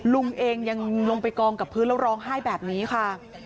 ลุงเองยังลงไปกองกับพื้นแล้วร้องไห้แบบนี้ค่ะ